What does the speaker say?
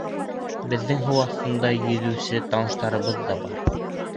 Беҙҙең һыу аҫтында йөҙөүсе таныштарыбыҙ ҙа бар.